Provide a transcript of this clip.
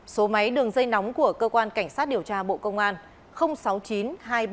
số máy đường dây nóng của cơ quan cảnh sát điều tra bộ công an sáu mươi chín hai trăm ba mươi bốn năm nghìn tám trăm sáu mươi